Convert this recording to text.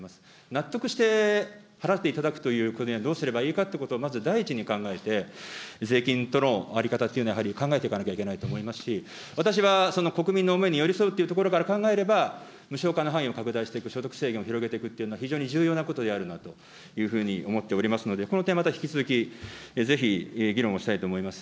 納得して払っていただくというふうにはどうすればいいかっていうことを第一に考えて、税金との在り方というのを、やはり考えていかなきゃいけないと思いますし、私は国民の身に寄り添うってところから考えれば、無償化の範囲を拡大していく、所得制限を広げていくというのは非常に重要なことであるなというふうに思っておりますので、この点、また引き続き、ぜひ議論をしたいと思います。